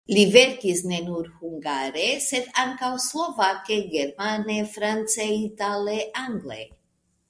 Li verkis ne nur hungare, sed ankaŭ slovake, germane, france, itale, angle.